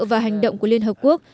và hành động của liên hợp quốc